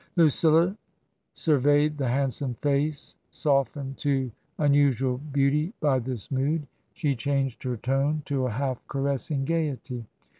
Lucilla surveyed the handsome face softened to un usual beauty by this mood. She changed her tone to a half caressing gaiety.